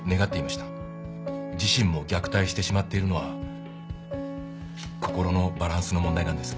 自身も虐待してしまっているのは心のバランスの問題なんです。